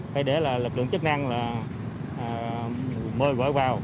phải để là lực lượng chức năng là mời vợ vào